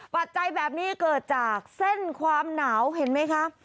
ปัจจัยแบบนี้เกิดจากเส้นความหนาวเห็นไหมคะ